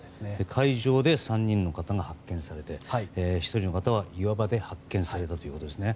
海上で３人の方が発見されて１人の方は岩場で発見されたということですね。